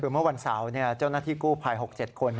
คือเมื่อวันเสาร์เจ้าหน้าที่กู้ภัย๖๗คน